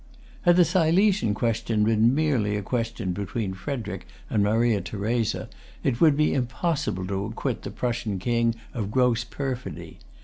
[Pg 262] Had the Silesian question been merely a question between Frederic and Maria Theresa, it would be impossible to acquit the Prussian King of gross perfidy.